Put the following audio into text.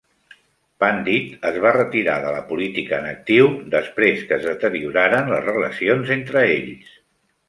Pandit es va retirar de la política en actiu després que es deterioraren les relacions entre ells.